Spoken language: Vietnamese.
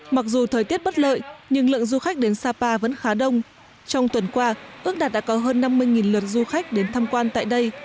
mặc dù thời tiết bất lợi nhưng lượng du khách đến sapa vẫn khá đông trong tuần qua ước đạt đã có hơn năm mươi lượt du khách đến tham quan tại đây